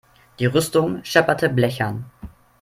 Die Rüstung schepperte blechern.